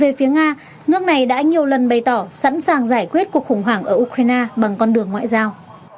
về phía nga nước này đã nhiều lần bày tỏ sẵn sàng giải quyết cuộc khủng hoảng ở ukraine bằng con đường ngoại giao